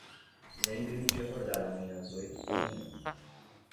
Lembre-me de acordar amanhã às oito da manhã.